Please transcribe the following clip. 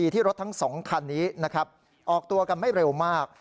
ที่รถทั้งสองคันนี้ออกตัวกันไม่เร็วมาก